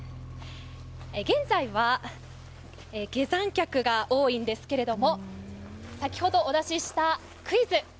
現在は下山客が多いんですけど先ほどお出ししたクイズ